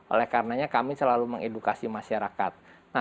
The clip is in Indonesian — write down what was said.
oleh karenanya kami selalu mengedukasi masyarakat